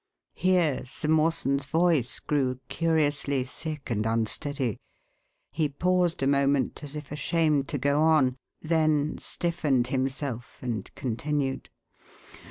Here Sir Mawson's voice grew curiously thick and unsteady. He paused a moment as if ashamed to go on, then stiffened himself and continued.